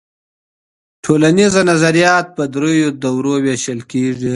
ټولنیز نظریات په درېیو دورو وېشل کيږي.